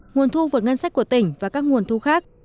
nguồn thu vượt ngân sách của tỉnh và các nguồn thu khác